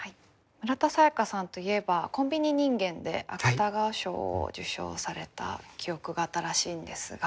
村田沙耶香さんといえば「コンビニ人間」で芥川賞を受賞された記憶が新しいんですが。